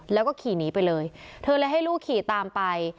แล้วก็ขี่หนีไปเลยเธอเลยให้ลูกขี่ตามไป